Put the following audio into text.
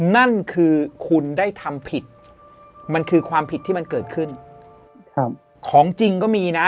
นั่นคือคุณได้ทำผิดมันคือความผิดที่มันเกิดขึ้นครับของจริงก็มีนะ